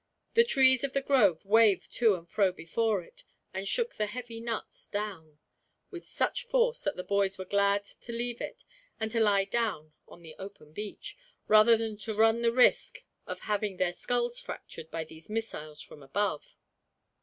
The trees of the grove waved to and fro before it, and shook the heavy nuts down, with such force that the boys were glad to leave it and to lie down on the open beach, rather than to run the risk of having their skulls fractured by these missiles from above.